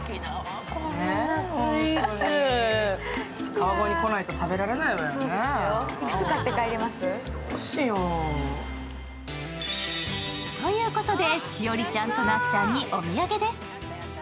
川越に来ないと食べられないわよね。ということで、栞里ちゃんとなっちゃんにお土産です。